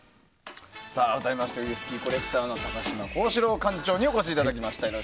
改めましてウイスキーコレクターの高嶋甲子郎館長にお越しいただきました。